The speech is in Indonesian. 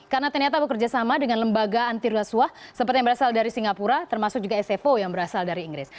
karena ternyata bekerja sama dengan lembaga anti ruhasuah seperti yang berasal dari singapura termasuk juga sfo yang berasal dari inggris